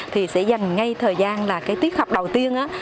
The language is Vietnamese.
thì sẽ dành ngay thời gian là cái tiết học đầu tiên